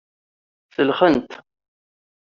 Selxen-t.